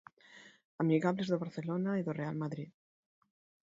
Amigables do Barcelona e do Real Madrid.